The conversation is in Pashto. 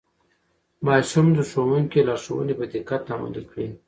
ماشوم د ښوونکي لارښوونې په دقت عملي کړې